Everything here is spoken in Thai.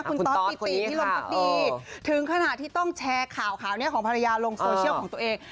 คุณตอสปีตีที่ลงปฏิถึงขนาดที่ต้องแชร์ข่าวของภรรยาลงโซเชียลของตัวเอง